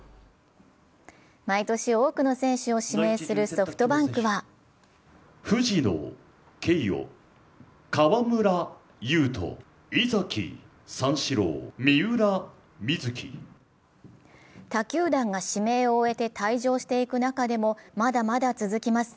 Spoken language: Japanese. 毎年多くの選手を指名するソフトバンクは他球団が指名を終えて退場していく中でもまだまだ続きます。